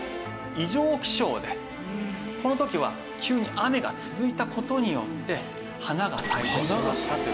異常気象でこの時は急に雨が続いた事によって花が咲いてしまったという。